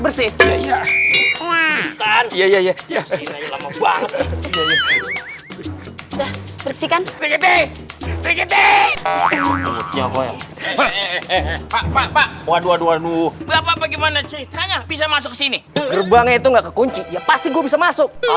bersih bersih bersih bersih bersih bersih bersih kan